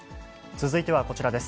続いてはこちらです。